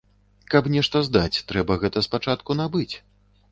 Каб нешта здаць, трэба гэта спачатку набыць.